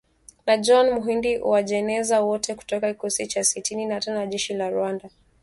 na John Muhindi Uwajeneza wote kutoka kikosi cha sitini na tano cha jeshi la Rwanda